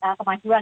satu yang yang